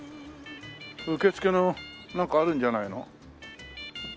受け付けのなんかあるんじゃないの？